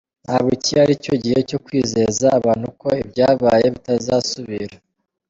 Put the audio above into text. "Ntabwo iki ari cyo gihe cyo kwizeza abantu ko ibyabaye bitazasubira".